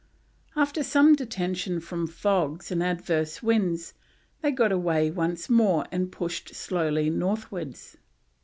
After some detention from fogs and adverse winds they got away once more and pushed slowly northwards.